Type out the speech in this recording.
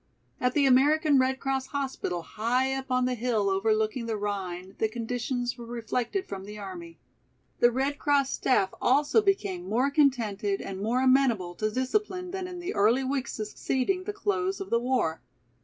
At the American Red Cross hospital high up on the hill overlooking the Rhine the conditions were reflected from the army. The Red Cross staff also became more contented and more amenable to discipline than in the early weeks succeeding the close of the war.